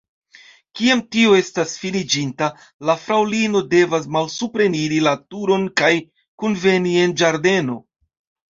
Kiam tio estas finiĝinta, la fraŭlinoj devas malsupreniri la turon kaj kunveni en ĝardeno.